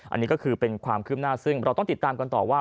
อันนี้ก็คือเป็นความคืบหน้าซึ่งเราต้องติดตามกันต่อว่า